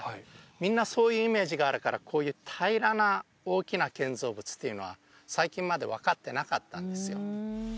みんなそういうイメージがあるからこういう平らな大きな建造物っていうのは最近まで分かってなかったんですよ